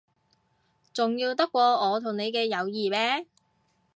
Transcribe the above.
重要得過我同你嘅友誼咩？